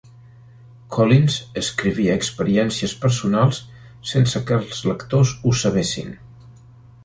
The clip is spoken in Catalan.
Collins escrivia experiències personals sense que els lectors ho sabessin.